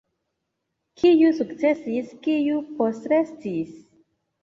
Kiu sukcesis, kiu postrestis?